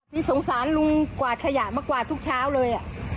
นี่สงสารลุงกวาดขยะมากวาดทุกเช้าเลย